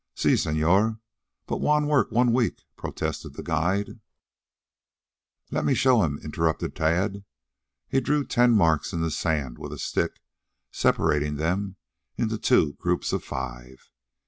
"Si señor. But Juan work one week," protested the guide. "Let me show him," interrupted Tad. He drew ten marks in the sand with a stick, separating them into two groups of five.